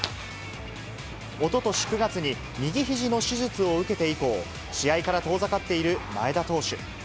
おととし９月に、右ひじの手術を受けて以降、試合から遠ざかっている前田投手。